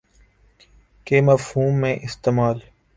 کے مفہوم میں استعمال